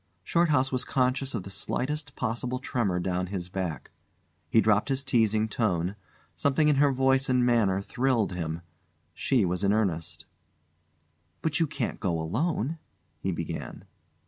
Shorthouse was conscious of the slightest possible tremor down his back. He dropped his teasing tone. Something in her voice and manner thrilled him. She was in earnest. "But you can't go alone " he began.